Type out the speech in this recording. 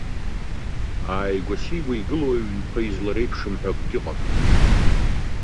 Ааигәа-сигәа игылоу аҩнқәа излареиԥшым ҳәа акгьы ыҟам.